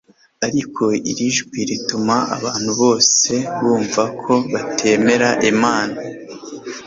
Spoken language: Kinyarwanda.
ariko, iri jwi rituma abantu bose bumva ko batemera imana